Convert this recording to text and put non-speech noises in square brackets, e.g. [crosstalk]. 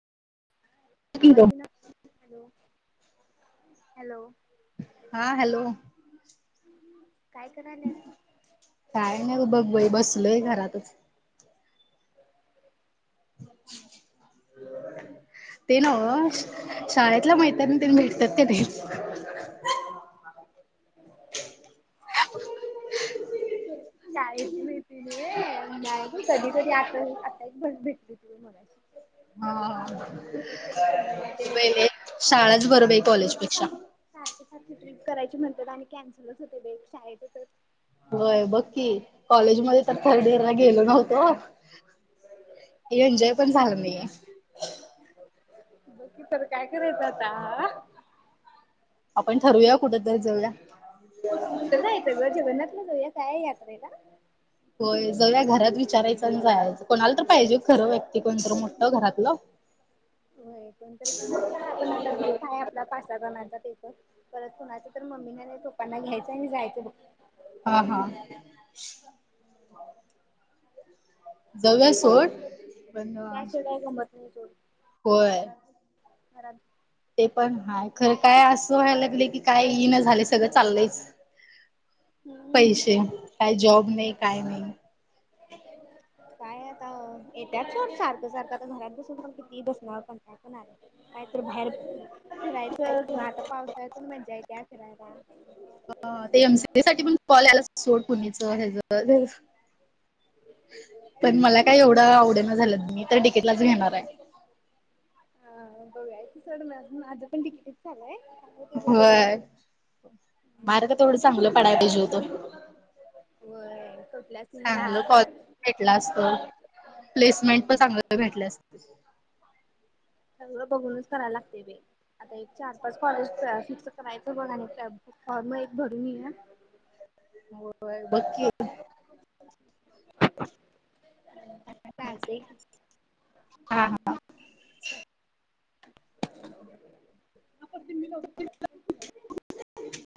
आवाज ईना, हा हॅलो हॅलो हा हॅलो काय कराल्यास? काय नाइ बग बई बसलोय घरातच हो ते नव्ह शाळेतल्या मैत्रणी तेन भेटत्यित काय नई शाळेतली मैत्रिणी वय नाई कधी कधीता आसच भेटली तुमी मनाशी हा नाही ते शाळाच बर बइ आहे कॉलेजपेक्षा सारकी सारकि ट्रिप करायची म्हणत्यात आणि कॅन्सलच होते बइ शाळेत तर होय बगकी कॉलेज मदे तर थर्ड इअर ला गेलो नव्हतो एन्जॉय पण झालं नइयाय बघ तर काय करायचं आता आपण ठरूया कुठ तर जउया कुट जायच ग जगनातलं जाऊया काय यात्रेला होय जव्या घरात विचारायचं जायचं कोणाला तर पाइजे खरं व्यक्ती कोण तर मोठ घरातलं हो कोणतरी कोणाल तर आपण आता ग्रुप हाय आपला पा सा जणांचा ते पण परत कुणाच तर मम्मी ना नाइ पप्पांना घ्यायचं आणि जायचं बग हा हा जऊया सोड त्याशिवाय काय गमत नाही सोड होय घरात ते पण हाय खरं काय असं व्हायला लागलय की काय ईना झालय सगळं चालंयच हम्म पैशे काय जॉब नइ काय नइ [unintelligible] काय आता येत्यात सोड सारक सारक आता घरात बसून पण किती बसणार कंटाळ पण येणार का तर बाहेर फिरायचं किंवा आता पावसाळत मज्जा येत्या फिरायला ते एमसीए साटी पण कॉल याल्यात सोड पुणेच हेच तेझ पण मला काय एवड आवडना झाल्यात मी तर डिकेटीलाच घेणाराय हा बगाय इल सोड माजं पण डीकेटीच चालय व्हय मार्क तेवड चांगलं पडायला पाइजेहुत वय कुटल्या चांगलं काल भेटला असत प्लेसमेंट पण चांगलं भेटले असते सगळं बगुनच करायला लागतय बइ आता एक चार पाच कॉलेज प फिक्स करायचं बग आणि फॉर्म एक भरून येउया होय बकी चालतय की हा हा [unintelligible]